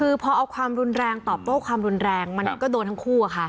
คือพอเอาความรุนแรงตอบโต้ความรุนแรงมันก็โดนทั้งคู่อะค่ะ